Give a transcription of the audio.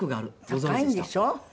高いんでしょう？